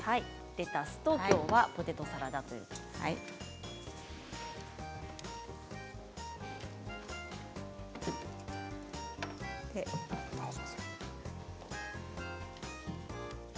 レタスときょうはポテトサラダです。